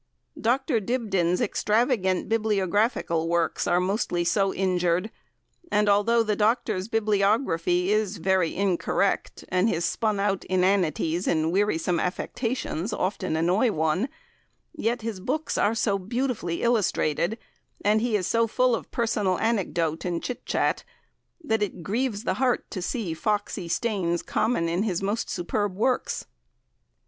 Dr. Dibdin's extravagant bibliographical works are mostly so injured; and although the Doctor's bibliography is very incorrect, and his spun out inanities and wearisome affectations often annoy one, yet his books are so beautifully illustrated, and he is so full of personal anecdote and chit chat, that it grieves the heart to see "foxey" stains common in his most superb works.